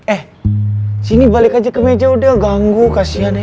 eh sini balik aja ke meja udah ganggu kasiannya